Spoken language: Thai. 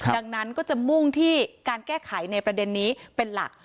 ดังนั้นก็จะมุ่งที่การแก้ไขในประเด็นนี้เป็นหลัก